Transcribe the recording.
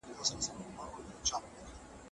هڅه وکړئ چي منطقي تسلسل وساتئ.